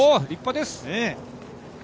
立派です！